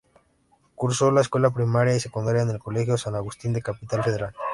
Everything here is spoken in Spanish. Cursó la escuela primaria y secundaria en el colegio San Agustín, de Capital Federal.